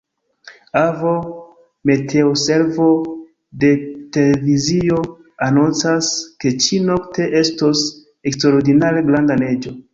Avo, meteoservo de televizio anoncas, ke ĉi-nokte estos eksterordinare granda neĝo.